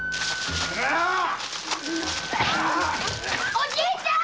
おじいちゃん！